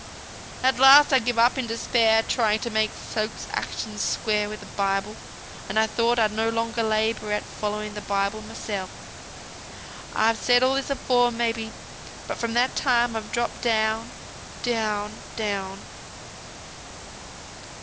"At last I gave it up in despair, trying to make folks' actions square wi' th' Bible; and I thought I'd no longer labour at following th' Bible mysel. I've said all this afore, may be. But from that time I've dropped down, down, down."